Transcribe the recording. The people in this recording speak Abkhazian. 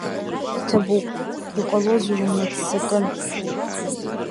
Иҭабуп, иҟалозар умыццакын.